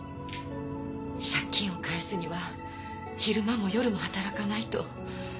借金を返すには昼間も夜も働かないと。